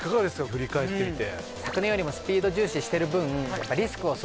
振り返ってみて。